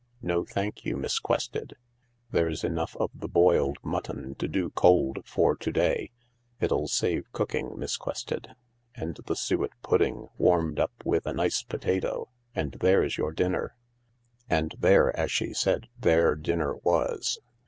No, thank you, Miss Quested. There's enough of the boiled mutton to do cold for to day. It'll save cook ing, Miss Quested. And the suet pudding warmed up with a nice potato, and there's your dinner." And there, as she said, their dinner was.